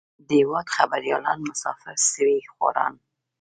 د هېواد خبريالان مسافر سوي خواران.